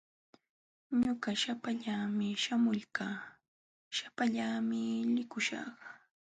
Ñuqa shapallaami shamulqaa, shapallaami likuśhaq.